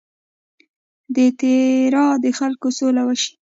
د تیرا د خلکو سوله وشي.